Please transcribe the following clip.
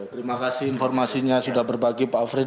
terima kasih informasinya sudah berbagi pak afri